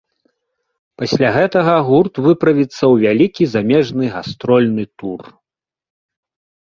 Пасля гэтага гурт выправіцца ў вялікі замежны гастрольны тур.